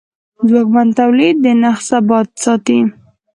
ځواکمن تولید د نرخ ثبات ساتي.